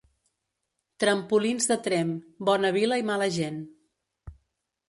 Trempolins de Tremp: bona vila i mala gent.